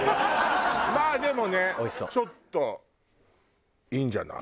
まあでもねちょっといいんじゃない？